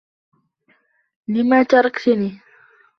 لم تركتني ؟